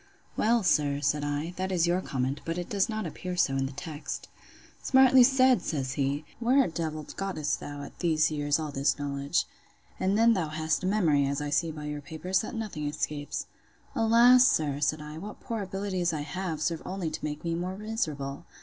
Well, sir, said I, that is your comment; but it does not appear so in the text. Smartly said! says he: Where a d—l gottest thou, at these years, all this knowledge? And then thou hast a memory, as I see by your papers, that nothing escapes. Alas! sir, said I, what poor abilities I have, serve only to make me more miserable!